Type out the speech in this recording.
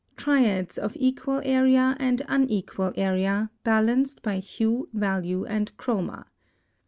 | Triads of equal area and unequal area „„ Paints. | Balanced by HUE, VALUE, and CHROMA.